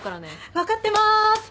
分かってます。